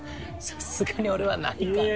さすがに俺はないから。